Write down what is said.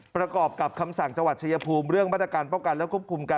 ประกอบกับคำสั่งจังหวัดชายภูมิเรื่องมาตรการป้องกันและควบคุมการ